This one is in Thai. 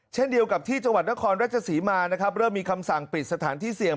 เช่นเดียวกับที่จังหวัดนครราชศรีมานะครับเริ่มมีคำสั่งปิดสถานที่เสี่ยง